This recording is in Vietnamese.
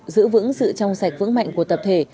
giữ vững sự trong sạch vững mạnh của tập thể